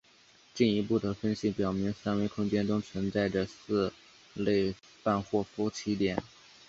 进一步的分析表明三维空间中存在着四类范霍夫奇点。